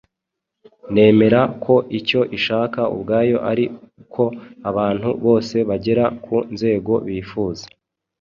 Nemera ko icyo ishaka ubwayo ari uko abantu bose bagera ku nzego bifuza